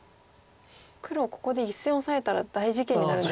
黒ここで１線オサえたら大事件になるんですね。